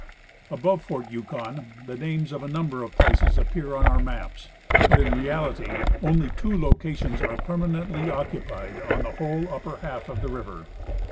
Above fort Yukon the names of a number of places appear on our maps, but in reality only two locations are permanently occupied on the whole upper half of the river.